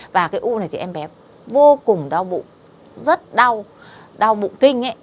và cái u này thì em bé vô cùng đau bụng rất đau đau bụng kinh